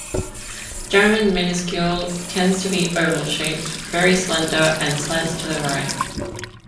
German minuscule tends to be oval-shaped, very slender, and slants to the right.